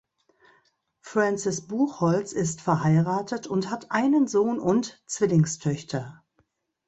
Francis Buchholz ist verheiratet und hat einen Sohn und Zwillingstöchter.